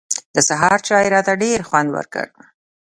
د سهار چای راته ډېر خوند وکړ.